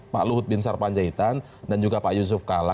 pak luhut bin sarpanjaitan dan juga pak yusuf kalla